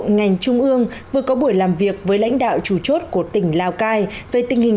ngành trung ương vừa có buổi làm việc với lãnh đạo chủ chốt của tỉnh lào cai về tình hình